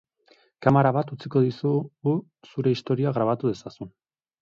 Kamara bat utziko dizugu zure istorioa grabatu dezazun.